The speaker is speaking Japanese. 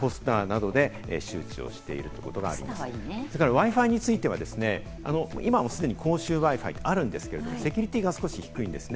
Ｗｉ−Ｆｉについては今すでに公衆Ｗｉ−Ｆｉってあるんですけれど、セキュリティーが低いんです。